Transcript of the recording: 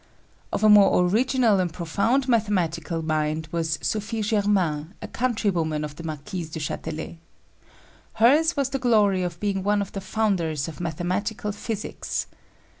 Of a more original and profound mathematical mind was Sophie Germain, a countrywoman of the Marquise du Châtelet. Hers was the glory of being one of the founders of mathematical physics.